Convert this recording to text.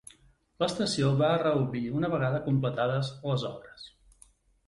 L'estació va reobrir una vegada completades les obres.